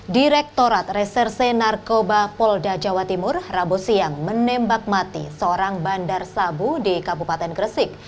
direktorat reserse narkoba polda jawa timur rabu siang menembak mati seorang bandar sabu di kabupaten gresik